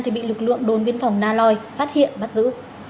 thì bị lực lượng đồn biên phòng na loi phát hiện bắt giữ